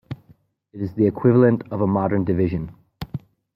It is the equivalent of a modern Division.